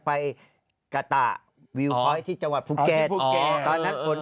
เพราะว่า๒ล้อคร่อง